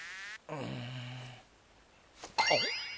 うんあっ！